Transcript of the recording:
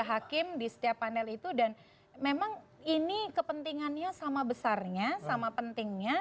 hakim di setiap panel itu dan memang ini kepentingannya sama besarnya sama pentingnya